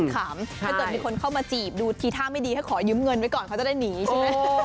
ถ้าเกิดมีคนเข้ามาจีบดูทีท่าไม่ดีถ้าขอยืมเงินไว้ก่อนเขาจะได้หนีใช่ไหม